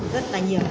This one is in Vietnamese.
rất là nhiều